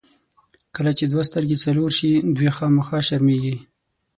کله چې دوه سترګې څلور شي، دوې خامخا شرمېږي.